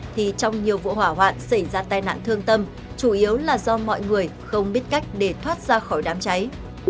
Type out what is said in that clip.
thì trong nhiều vụ hỏa hoạn xảy ra tai nạn thương tâm chủ yếu là do mọi người không biết cách để thoát ra khỏi đám cháy